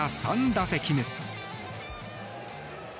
３打席目。